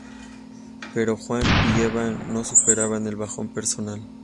Pero Juan y Eva no superaban el bajón personal.